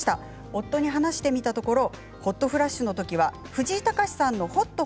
夫に話してみたところホットフラッシュの時は藤井隆さんのホット！